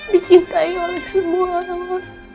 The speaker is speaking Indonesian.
dicintai oleh semua orang